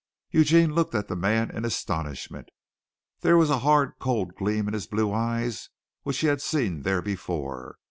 Eugene looked at the man in astonishment. There was a hard, cold gleam in his blue eyes which he had seen there before.